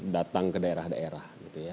datang ke daerah daerah